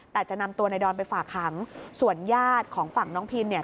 แต่จะนำตัวในดอนไปฝากขังส่วนญาติของฝั่งน้องพินเนี่ย